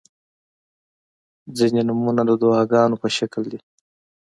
• ځینې نومونه د دعاګانو په شکل دي.